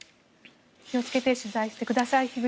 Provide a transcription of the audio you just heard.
気をつけて取材をしてください。